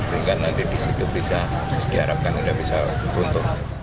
sehingga nanti di situ bisa diharapkan sudah bisa runtuh